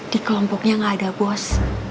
di kelompoknya nggak ada bos